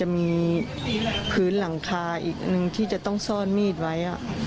มีพื้นหลังคาอีกอันหนึ่งที่จะต้องซ่อนมีดไว้